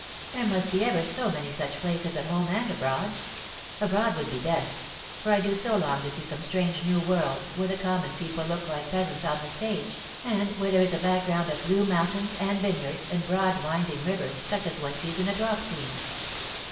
There must be ever so many such places at home and abroad; abroad would be best, for I do so long to see some strange new world, where the com mon people look like peasants on the stage, and where there is a background of blue mountains, and vineyards, and broad winding river, such as one sees in a drop scene.